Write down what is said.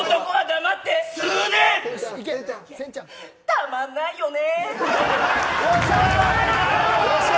たまんないよね。